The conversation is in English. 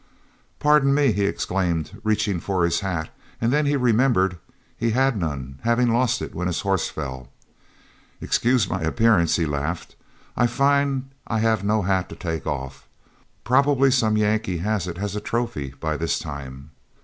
"Pardon me," he exclaimed, reaching for his hat, and then he remembered he had none, having lost it when his horse fell. "Excuse my appearance," he laughed. "I find I have no hat to take off. Probably some Yankee has it as a trophy by this time.